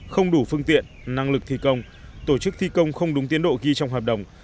không đủ phương tiện năng lực thi công tổ chức thi công không đúng tiến độ ghi trong hợp đồng